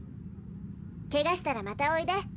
ケガしたらまたおいで。